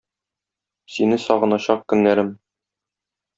Сине сагыначак көннәрем.